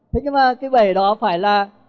thế nhưng mà cái bể đó phải là